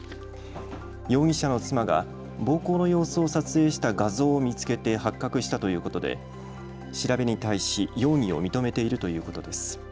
容疑者の妻が暴行の様子を撮影した画像を見つけて発覚したということで調べに対し容疑を認めているということです。